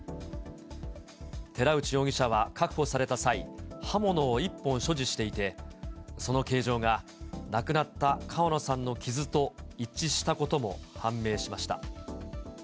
寺内容疑者は確保された際、刃物を１本所持していて、その形状が亡くなった川野さんの傷と一致したことも判明しました。